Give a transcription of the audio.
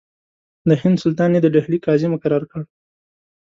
د هند سلطان یې د ډهلي قاضي مقرر کړ.